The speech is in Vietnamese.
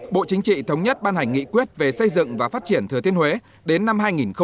bộ chính trị thống nhất ban hành nghị quyết về xây dựng và phát triển thừa thiên huế đến năm hai nghìn ba mươi